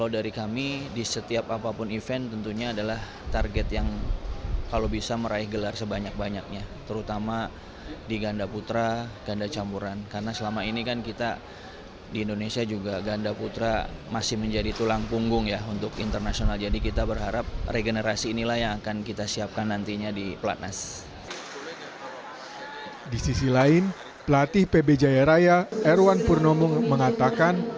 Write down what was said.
di sisi lain pelatih pb jaya raya erwan purnomung mengatakan